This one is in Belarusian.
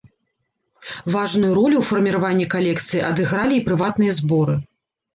Важную ролю ў фарміраванні калекцыі адыгралі і прыватныя зборы.